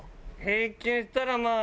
平均したらまあ。